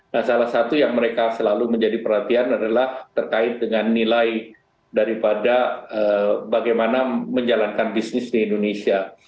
nah salah satu yang mereka selalu menjadi perhatian adalah terkait dengan nilai daripada bagaimana menjalankan bisnis di indonesia